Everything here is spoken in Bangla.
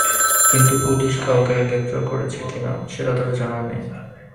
কিন্তু পুলিশ কাউকে গ্রেপ্তার করেছে কি না, সেটা তাঁর জানা নেই।